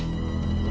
aku mau pergi